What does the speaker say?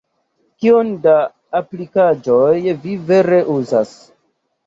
Kiom da aplikaĵoj vi vere uzas?